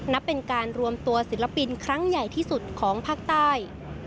นับเป็นการรวมตัวศิลปินครั้งใหญ่ที่สุดของภาคใต้